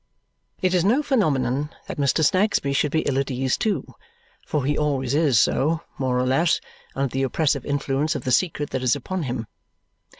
It is no phenomenon that Mr. Snagsby should be ill at ease too, for he always is so, more or less, under the oppressive influence of the secret that is upon him.